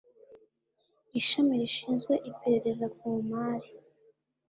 ishami rishinzwe iperereza ku mari